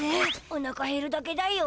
おなかへるだけだよ。